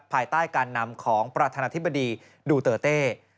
ภายใต้การนำของประธานาธิบดีดูเตอร์เต้